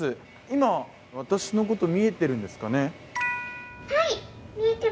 今、私のこと見えてるんですかね？